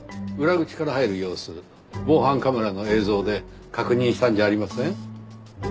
裏口から入る様子防犯カメラの映像で確認したんじゃありません？